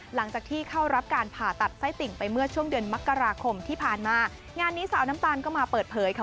หลังจากที่เข้ารับการผ่าตัดไส้ติ่งไปเมื่อช่วงเดือนมกราคมที่ผ่านมางานนี้สาวน้ำตาลก็มาเปิดเผยค่ะ